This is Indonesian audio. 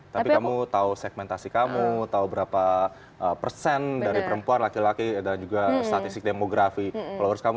tapi kamu tahu segmentasi kamu tahu berapa persen dari perempuan laki laki dan juga statistik demografi followers kamu